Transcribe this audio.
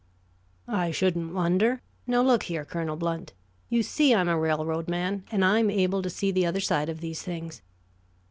"I shouldn't wonder. Now, look here, Colonel Blount. You see, I'm a railroad man, and I'm able to see the other side of these things."